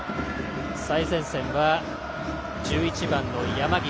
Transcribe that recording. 最前線は１１番の山岸。